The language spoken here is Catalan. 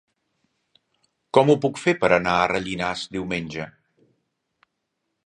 Com ho puc fer per anar a Rellinars diumenge?